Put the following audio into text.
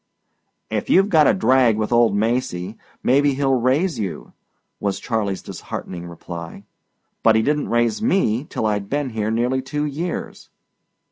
"If you've got a drag with old Macy, maybe he'll raise you," was Charley's disheartening reply. "But he didn't raise ME till I'd been here nearly two years."